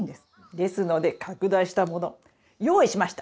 ですので拡大したもの用意しました。